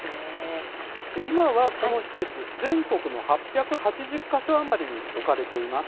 今、この施設、全国の８８０か所余りに置かれています。